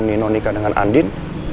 nino nikah dengan andin